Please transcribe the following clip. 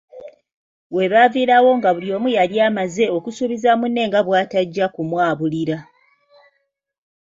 We baaviiraawo nga buli omu yali amaze okusuubiza munne nga bwatajja kumwabulira.